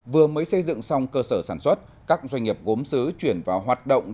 vừa mới xây dựng xong cơ sở sản xuất các doanh nghiệp gốm xứ chuyển vào hoạt động